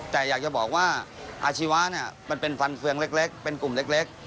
แต่อยากจะบอกว่าอาชีวะเนี่ยมันเป็นฟันเฟืองเล็กเป็นกลุ่มเล็ก